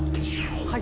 はい。